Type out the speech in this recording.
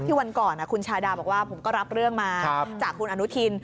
วันก่อนคุณชาดาบอกว่าผมก็รับเรื่องมาจากคุณอนุทิน